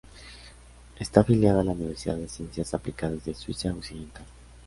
Está afiliada a la Universidad de Ciencias Aplicadas de Suiza Occidental.